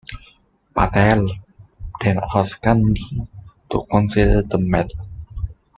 Patel then asked Gandhi to consider the matter.